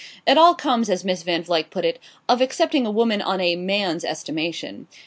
"It all comes," as Miss Van Vluyck put it, "of accepting a woman on a man's estimation."